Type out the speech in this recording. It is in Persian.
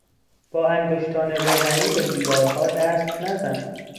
با انگشتان روغنی به دیوارها دست نزن!